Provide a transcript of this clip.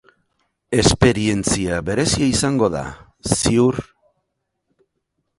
Esperientzia berezia izango da, ziur.